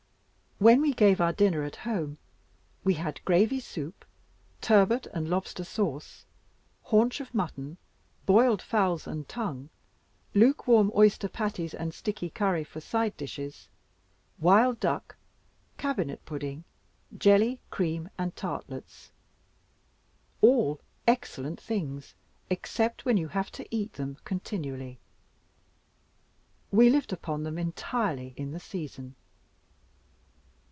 When we gave a dinner at home, we had gravy soup, turbot and lobster sauce, haunch of mutton, boiled fowls and tongue, lukewarm oyster patties and sticky curry for side dishes; wild duck, cabinet pudding, jelly, cream and tartlets. All excellent things, except when you have to eat them continually. We lived upon them entirely in the season.